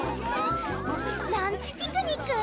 ランチピクニック？